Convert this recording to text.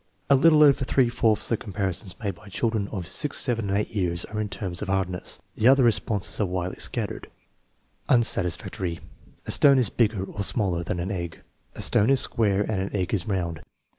A little over three fourths of the comparisons made by children of 6, 7, and 8 years are in terms of hardness. The other responses are widely scattered. Unsatisfactory. "A stone is bigger (or smaller) than an egg/' "A stone is square and an egg is round."